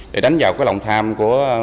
để đánh vào cái lòng tham của